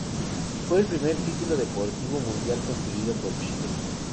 Fue el primer título deportivo mundial conseguido por Chile.